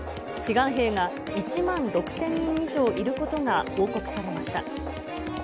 志願兵が１万６０００人以上いることが報告されました。